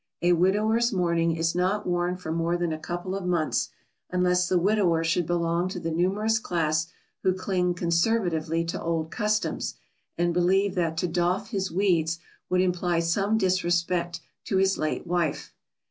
A widower's mourning is not worn for more than a couple of months, unless the widower should belong to the numerous class who cling conservatively to old customs, and believe that to doff his weeds would imply some disrespect to his late wife.